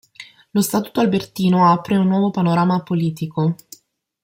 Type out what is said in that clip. Lo Statuto albertino apre un nuovo panorama politico.